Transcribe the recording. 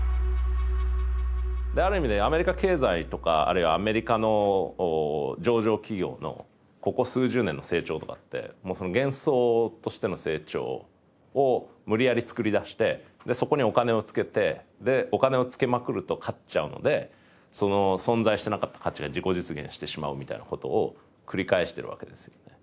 ある意味でアメリカ経済とかあるいはアメリカの上場企業のここ数十年の成長とかってその幻想としての成長を無理やり作り出してそこにお金をつけてでお金をつけまくると勝っちゃうので存在してなかった価値が自己実現してしまうみたいなことを繰り返してるわけですよね。